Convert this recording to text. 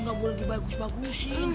nggak boleh dibagus bagusin